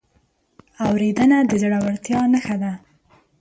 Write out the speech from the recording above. اورېدنه د زړورتیا نښه ده.